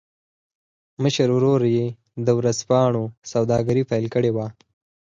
مشر ورور يې د ورځپاڼو سوداګري پیل کړې وه